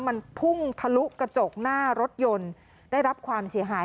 มันพุ่งทะลุกระจกหน้ารถยนต์ได้รับความเสียหาย